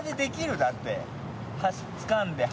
だってつかんで橋。